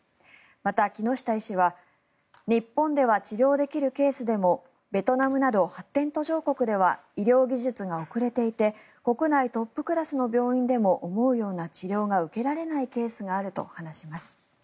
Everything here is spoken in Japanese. また、木下医師は日本では治療できるケースでもベトナムなど発展途上国では医療技術が遅れていて国内トップクラスの病院でも思うような治療が受けられないケースがあると話します。